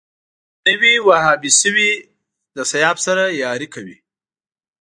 نوی وهابي شوی د سیاف سره ياري کوي